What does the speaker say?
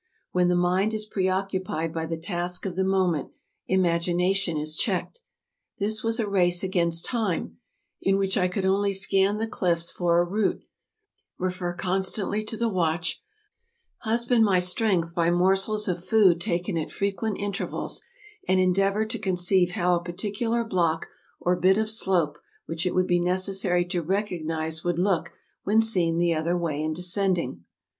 When the mind is preoccupied by the task of the moment, imagination is checked. This was a race against time, in which I could only scan the cliffs for a route, refer constantly to the watch, husband my strength by mor sels of food taken at frequent intervals, and endeavor to con ceive how a particular block or bit of slope which it would be necessary to recognize would look when seen the other way in descending.